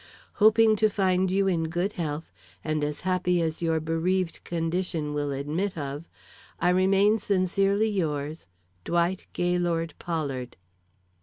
Hoping to find you in good health, and as happy as your bereaved condition will admit of, I remain sincerely yours, DWIGHT GAYLORD POLLARD.